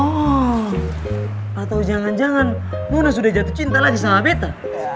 oh atau jangan jangan muna sudah jatuh cinta lagi sama beta